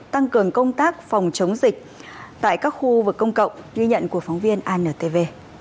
tăng cường công tác phòng chống dịch tại các khu vực công cộng ghi nhận của phóng viên antv